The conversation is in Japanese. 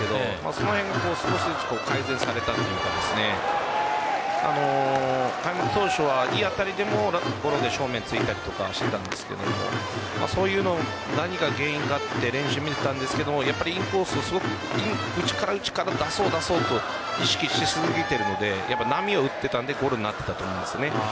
その辺を少しずつ改善されたというか開幕当初はいい当たりでもゴロで正面突いたりとかしていたんですがそれの何が原因かというのを練習で見ていたんですがインコース、内から出そうと意識しすぎているので波を打っていたのでゴロになっていたと思います。